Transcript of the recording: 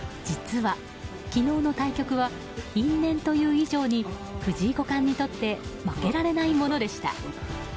実は、昨日の対局は因縁という以上に藤井五冠にとって負けられないものでした。